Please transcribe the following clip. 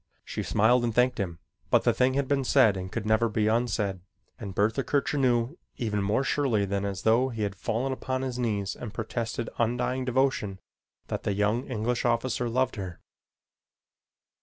She smiled and thanked him, but the thing had been said and could never be unsaid, and Bertha Kircher knew even more surely than as though he had fallen upon his knees and protested undying devotion that the young English officer loved her.